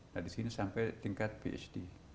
nah di sini sampai tingkat psd